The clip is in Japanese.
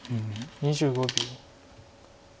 ２５秒。